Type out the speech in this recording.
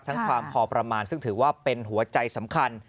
ความพอประมาณซึ่งถือว่าเป็นหัวใจสำคัญ